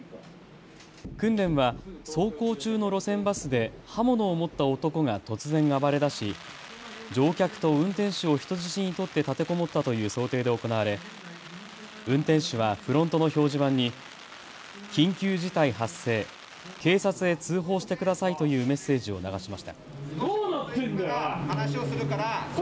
訓練は走行中の路線バスで刃物を持った男が突然暴れだし乗客と運転手を人質に取って立てこもったという想定で行われ運転手はフロントの表示板に緊急事態発生、警察へ通報してくださいというメッセージを流しました。